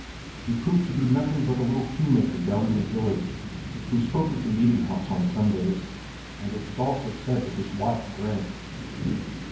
He proved to be nothing but a little shoemaker down in the village, who spoke at the meeting house on Sundays; and it was also said that his wife drank.